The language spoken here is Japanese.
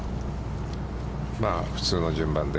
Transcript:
普通の順番で。